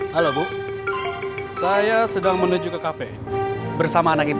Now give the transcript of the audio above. halo bu saya sedang menuju ke kafe bersama anak ini